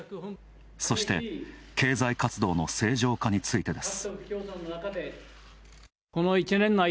そして、経済活動の正常化についてです。